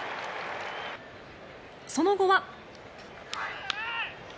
その後は。